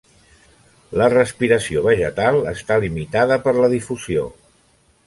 La respiració vegetal està limitada per la difusió.